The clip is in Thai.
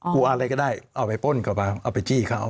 กลัวอะไรก็ได้เอาไปป้นเขาบ้างเอาไปจี้เขา